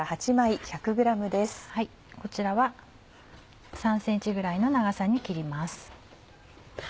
こちらは３ｃｍぐらいの長さに切ります。